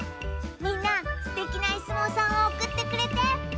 みんなすてきなイスもうさんをおくってくれて。